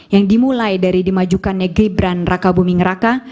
yang dimulai dari dimajukannya gibran raka buming raka